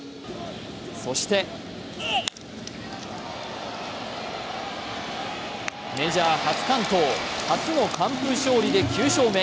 そしてメジャー初完投、初の完封勝利で９勝目。